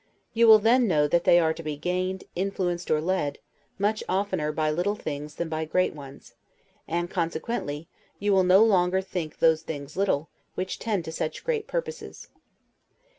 You will then know that they are to be gained, influenced, or led, much oftener by little things than by great ones; and, consequently, you will no longer think those things little, which tend to such great purposes.